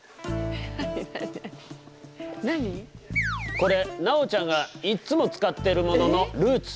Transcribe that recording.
これ奈央ちゃんがいっつも使ってるもののルーツ。